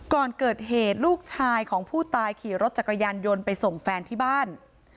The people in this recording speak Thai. ก่อนเกิดเหตุลูกชายของผู้ตายขี่รถจักรยานยนต์ไปส่งแฟนที่บ้าน